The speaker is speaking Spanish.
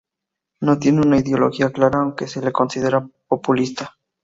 No tiene una ideología clara aunque se le considera "populista".